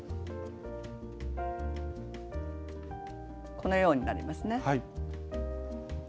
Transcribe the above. このようになりますね。